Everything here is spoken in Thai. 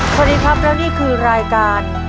สวัสดีครับแล้วนี่คือรายการ